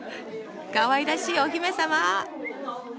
かわいらしいお姫様！